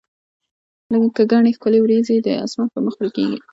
لکه ګڼي ښکلي وریځي د اسمان پر مخ ورکیږي